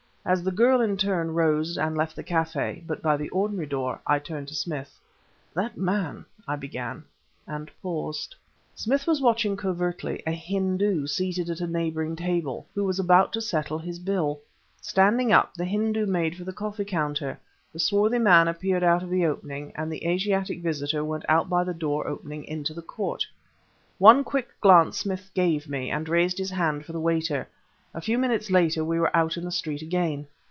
As the girl, in turn, rose and left the café but by the ordinary door I turned to Smith. "That man ..." I began, and paused. Smith was watching covertly, a Hindu seated at a neighboring table, who was about to settle his bill. Standing up, the Hindu made for the coffee counter, the swarthy man appeared out of the background and the Asiatic visitor went out by the door opening into the court. One quick glance Smith gave me, and raised his hand for the waiter. A few minutes later we were out in the street again.